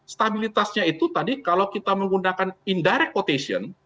stabilitasnya itu tadi kalau kita menggunakan indirect otation